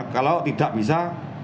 kalau tidak bisa